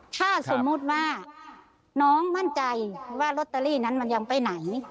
ถ้าสมมุติว่าน้องมั่นใจว่าลอตเตอรี่นั้นมันยังไปไหน